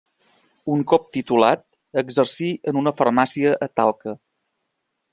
Un cop titulat exercí en una farmàcia a Talca.